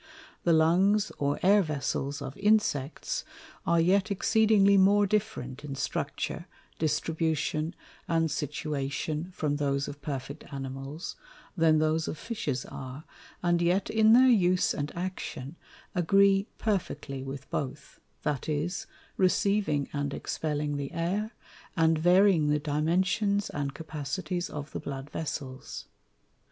The Lungs or Air Vessels of Insects, are yet exceedingly more different in Structure, Distribution, and Situation from those of perfect Animals, than those of Fishes are, and yet in their Use and Action agree perfectly with both; that is, receiving and expelling the Air, and varying the Dimensions and Capacities of the Blood Vessels.